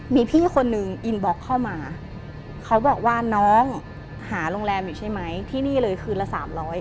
มีพี่คนนึงอินบล็อกเข้ามาเขาบอกว่าน้องหาโรงแรมอยู่ใช่ไหมที่นี่เลยคืนละสามร้อย